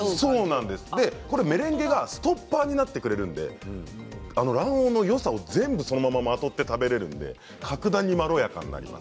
このメレンゲがストッパーになってくれるので卵黄のよさを全部まとって食べられるので、格段においしくなります。